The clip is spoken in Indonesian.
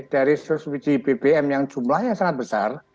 dari sosial pilihan bbm yang jumlahnya sangat besar